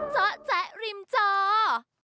เจาะแจ๊ะริมจอ